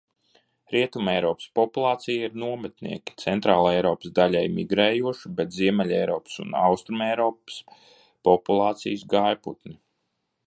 Rietumeiropas populācija ir nometnieki, Centrāleiropas daļēji migrējoši, bet Ziemeļeiropas un Austrumeiropas populācijas gājputni.